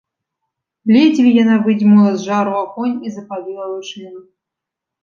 Ледзьве яна выдзьмула з жару агонь і запаліла лучыну.